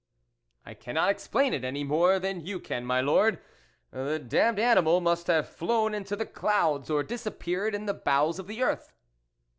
" I cannot explain it any more than you can, my Lord ; the damned animal must have flown into the clouds or disappeared in the bowels of the earth."